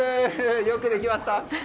よくできました！